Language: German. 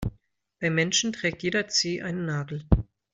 Bei Menschen trägt jeder Zeh einen Nagel.